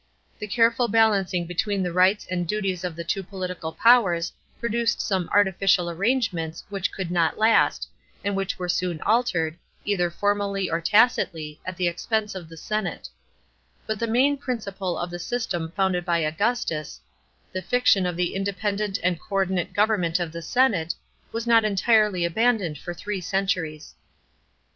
The careful balancing between the rights and duties of the two political powers produced some artificial arrangements which could not last, and which were soon altered, either formally or tacitly, at the expense of the senate. But the main principle of CHAP. in. ADMINISTRATION AND JURISDICTION. 33 the system founded by Augustus — the fiction of the independent and co ordinate government of the senate— was not entirely abandoned for three centuries.